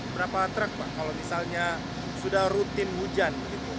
berapa truk pak kalau misalnya sudah rutin hujan